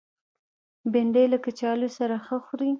بېنډۍ له کچالو سره ښه خوري